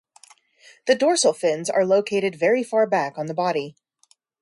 The dorsal fins are located very far back on the body.